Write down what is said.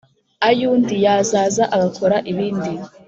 ay’undi yazaza agakora ibindi.